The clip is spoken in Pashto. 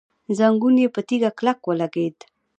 زنګون يې په تيږه کلک ولګېد.